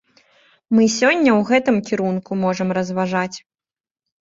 Мы сёння ў гэтым кірунку можам разважаць.